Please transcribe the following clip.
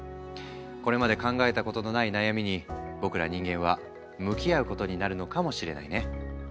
これまで考えたことのない悩みに僕ら人間は向き合うことになるのかもしれないね。